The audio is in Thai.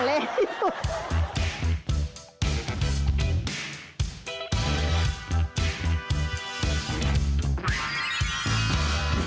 ลักษณ์ที่สุด